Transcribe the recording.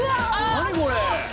何これ。